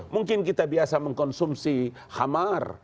mungkin kita biasa mengkonsumsi hamar